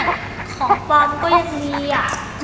ของฟอร์มก็ยังมีอะ